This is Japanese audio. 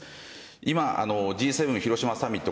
今、Ｇ７広島サミット